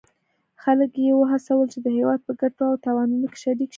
خلک یې وهڅول چې د هیواد په ګټو او تاوانونو کې شریک شي.